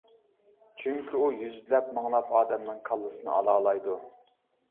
چۈنكى ئۇ يۈزلەپ-مىڭلاپ ئادەمنىڭ كاللىسىنى ئالالايدۇ.